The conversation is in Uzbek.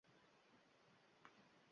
boʼzsuv yoqalarida